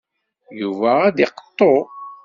Yuba ad iqeṭṭu.